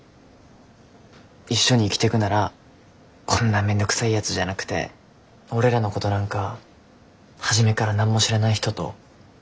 一緒に生きてくならこんな面倒くさいやつじゃなくて俺らのごどなんか初めから何も知らない人と。